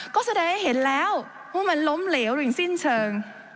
ก็แสดงให้เห็นแล้วว่ามันล้มเหลวหรือสิ้นเชิง